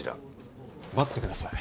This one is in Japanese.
待ってください。